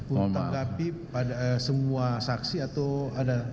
untuk tanggapi pada semua saksi atau ada